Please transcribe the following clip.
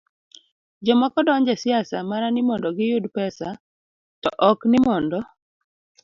Jomoko donjo e siasa mana ni mondo giyud pesa to ok ni mondo